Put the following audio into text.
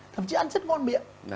thậm chí ăn rất ngon miệng